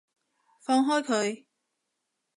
放開佢！